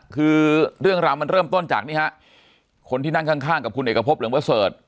คือเรื่องราวมันเริ่มต้นจากนี่ฮะคนที่นั่งข้างกับคุณเอกพบเหลืองประเสริฐ